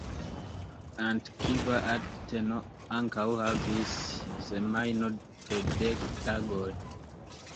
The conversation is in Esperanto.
Antikva Ateno ankaŭ havis semajnon de dek tagoj.